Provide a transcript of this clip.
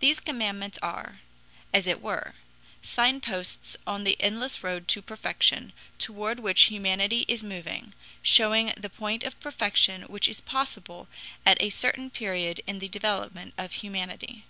These commandments are, as it were, signposts on the endless road to perfection, toward which humanity is moving, showing the point of perfection which is possible at a certain period in the development of humanity.